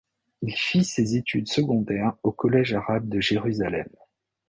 Il fit ses études secondaires au collège arabe de Jérusalem.